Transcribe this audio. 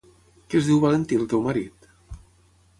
Que es diu Valentí, el teu marit?